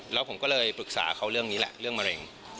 แล้วผมก็เลยปรึกษาเขาเรื่องนี้แหละเรื่องมะเร็ง